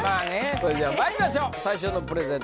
それではまいりましょう最初のプレゼンター